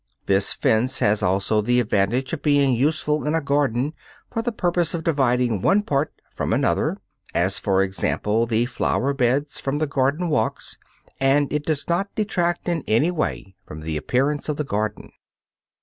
This fence has also the advantage of being useful in a garden for the purpose of dividing one part from another, as, for example, the flower beds from the garden walks, and it does not detract in any way from the appearance of the garden.